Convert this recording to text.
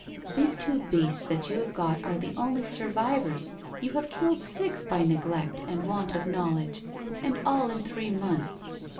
These two beasts that you have got are the only survivors, you have killed six by neglect and want of knowledge, and all in three months.